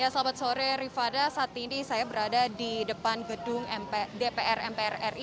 selamat sore rifana saat ini saya berada di depan gedung dpr mpr ri